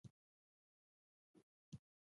د شاهي ځواکونو د تمویل لپاره باید مالیه پرې کړي.